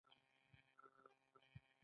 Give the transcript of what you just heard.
کروندګر کرنه کوي.